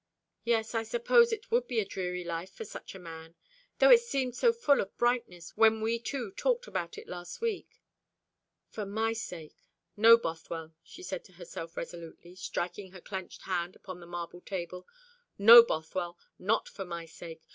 Yes, I suppose it would be a dreary life for such a man though it seemed so full of brightness when we two talked about it last week. For my sake. No, Bothwell," she said to herself resolutely, striking her clenched hand upon the marble table. "No, Bothwell, not for my sake!